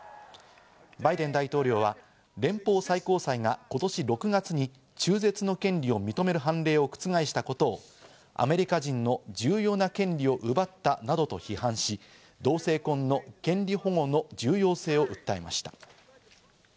バイデン大統領は連邦最高裁が今年６月に中絶の権利を認める判例を覆したことをアメリカ人の重要な権利を奪ったなどと批判し、同性婚の権利保護の重要性を訴えました。